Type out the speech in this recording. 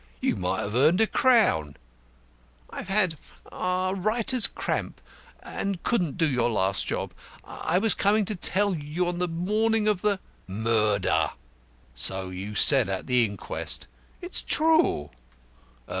You might have earned a crown." "I've had writer's cramp, and couldn't do your last job. I was coming to tell you so on the morning of the " "Murder. So you said at the inquest." "It's true."